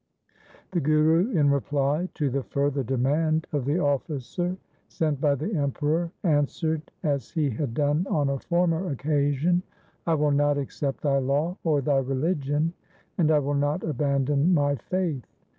1 The Guru in reply to the further demand of the 1 Maru. 384 THE SIKH RELIGION officer sent by the Emperor answered as he had done on a former occasion —' I will not accept thy law or thy religion, and I will not abandon my faith.